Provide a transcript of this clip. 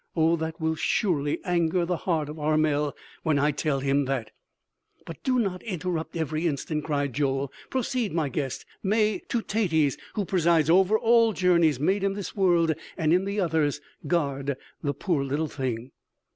"Oh, that will surely anger the heart of Armel, when I tell him that." "But do not interrupt every instant!" cried Joel. "Proceed, my guest; may Teutates, who presides over all journeys made in this world and in the others, guard the poor little thing!"